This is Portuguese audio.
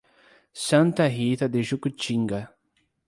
Santa Rita de Jacutinga